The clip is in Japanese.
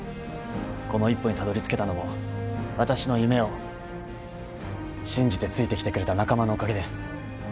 この一歩にたどりつけたのも私の夢を信じてついてきてくれた仲間のおかげです。